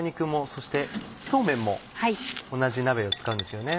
そしてそうめんも同じ鍋を使うんですよね。